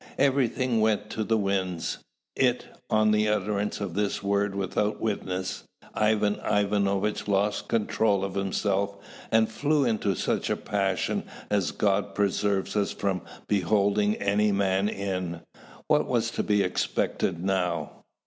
Everything went to the winds. It, on the utterance of this word without witnesses, Ivan Ivanovitch lost control of himself and flew into such a passion as God preserve us from beholding any man in, what was to be expected now?